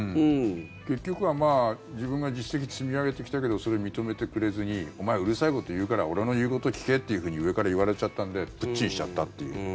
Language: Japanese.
結局は自分が実績を積み上げてきたけどそれを認めてくれずにお前、うるさいこと言うから俺の言うこと聞けっていうふうに上から言われちゃったんでプッチンしちゃったっていう。